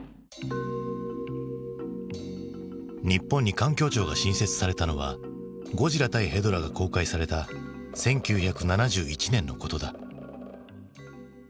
日本に環境庁が新設されたのは「ゴジラ対ヘドラ」が公開された１９７１年のことだ。